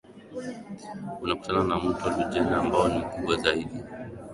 Unakutana na mto Lujenda ambao ni mkubwa zaidi